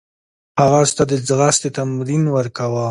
هغه اس ته د ځغاستې تمرین ورکاوه.